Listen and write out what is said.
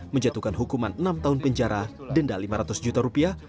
menjatuhkan hukuman enam tahun penjara denda lima ratus juta rupiah